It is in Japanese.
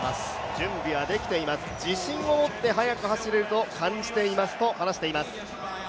準備はできています、自信を持って速く走れると感じていますと話しています。